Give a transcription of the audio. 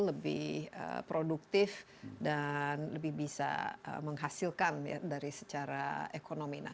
lebih produktif dan lebih bisa menghasilkan dari secara ekonomi